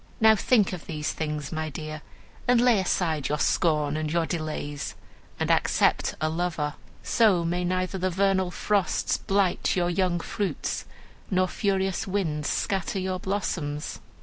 Now think of these things, my dear, and lay aside your scorn and your delays, and accept a lover. So may neither the vernal frosts blight your young fruits, nor furious winds scatter your blossoms!"